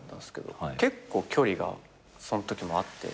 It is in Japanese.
結構距離がそんときもあって。